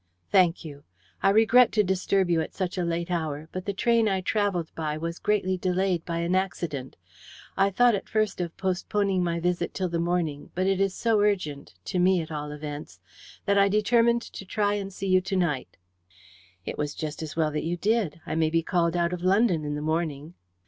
"Thank you. I regret to disturb you at such a late hour, but the train I travelled by was greatly delayed by an accident. I thought at first of postponing my visit till the morning, but it is so urgent to me, at all events that I determined to try and see you to night." "It was just as well that you did. I may be called out of London in the morning."